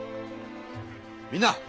みんな！